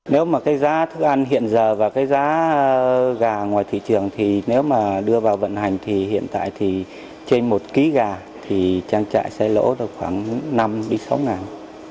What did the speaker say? nếu mà cái giá thức ăn hiện giờ và cái giá gà ngoài thị trường thì nếu mà đưa vào vận hành thì hiện tại thì trên một kg gà thì trang trại sẽ lỗ được khoảng năm sáu ngàn